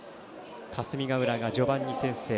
霞ヶ浦が序盤に先制。